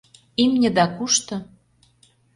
ИМНЬЫДА КУШТО?